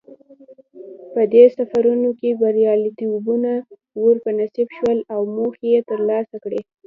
په دې سفرونو کې بریالیتوبونه ور په نصیب شول او موخې یې ترلاسه کړې.